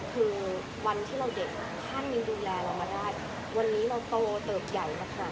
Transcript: คือวันที่เราเด็กท่านยังดูแลเรามาได้วันนี้เราโตเติบใหญ่มาก